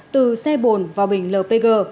từ xe bồn vào bình lpg